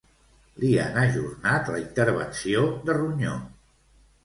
Li han ajornat la intervenció de ronyó